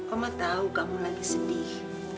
oma tahu kamu lagi sedih